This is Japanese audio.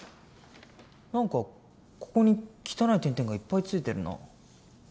何かここに汚い点々がいっぱいついてるな。